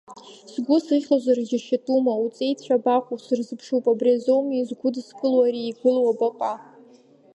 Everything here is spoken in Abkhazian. Сгәы сыхьлозар, иџьашьатәума, уҵеицәа абаҟоу, сырзыԥшуп, убри азоуми изгәыдыскыло ари игылоу абаҟа?!